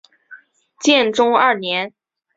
建中二年。